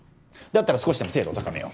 だったら少しでも精度を高めよう。